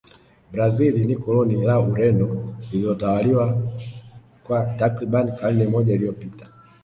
brazil ni koloni la ureno lililotawaliwa kwa takribani karne moja iliyopita